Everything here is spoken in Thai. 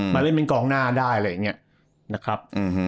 มาเล่นเป็นกองหน้าได้อะไรอย่างนี้นะครับ